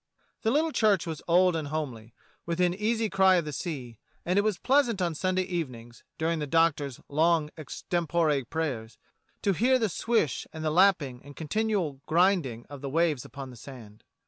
The little church was old and homely, within easy cry of the sea; and it was pleasant on Sunday evenings, during the Doctor's long extempore prayers, to hear the swish and the lapping and continual grinding of the waves upon the sand.